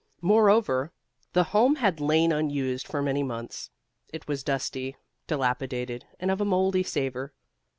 Moreover, the Home had lain unused for many months: it was dusty, dilapidated, and of a moldy savor.